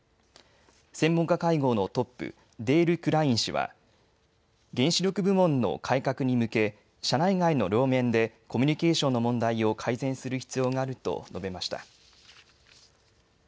専門家会合のトップ、デール・クライン氏は原子力部門の改革に向け社内外の両面でコミュニケーションの問題を改善する必要があると述べました。